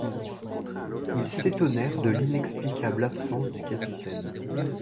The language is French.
Ils s’étonnèrent de l’inexplicable absence du capitaine.